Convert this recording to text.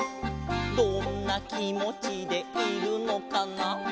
「どんなきもちでいるのかな」